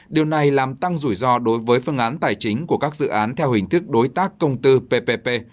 điều này làm tăng rủi ro đối với phương án tài chính của các dự án theo hình thức đối tác công tư ppp